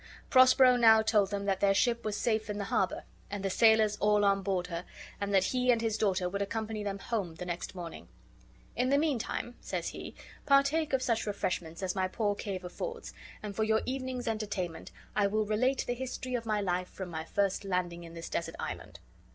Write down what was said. Prospero now told them that their ship was safe in the harbor, and the sailors all on board her, and that he and his daughter would accompany them home the next morning. "In the mean time," says he, "partake of such refreshments as my poor cave affords; and for your evening's entertainment I will relate the history of my life from my first landing in this desert island."